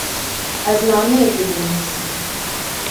Ez nameyekê dinivîsim.